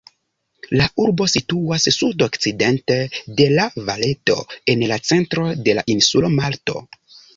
La urbo situas sudokcidente de La-Valeto, en la centro de la insulo Malto.